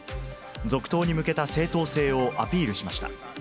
続投に向けた正当性をアピールしました。